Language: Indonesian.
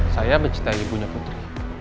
saya mencintai ibunya putri